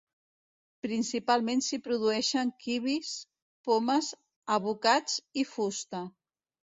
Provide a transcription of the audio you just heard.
Principalment s'hi produeixen kiwis, pomes, avocats i fusta.